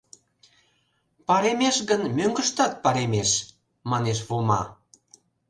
— Паремеш гын, мӧҥгыштат паремеш, — манеш Вома.